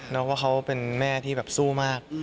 แล้วก็เขาเป็นแม่ที่แบบสู้มาก